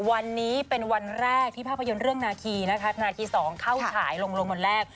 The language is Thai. วันนี้เป็นวันแรกที่ภาพยนตร์เรื่องนาคีนะคะนาคี๒เข้าฉายลงวันแรก